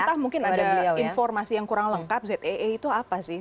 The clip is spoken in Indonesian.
entah mungkin ada informasi yang kurang lengkap zee itu apa sih